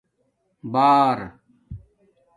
بار